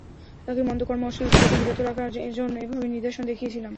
তাকে মন্দ কর্ম ও অশ্লীলতা থেকে বিরত রাখার জন্যে এভাবে নিদর্শন দেখিয়েছিলাম।